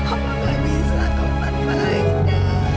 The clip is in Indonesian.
oma nggak bisa ke rumahnya aida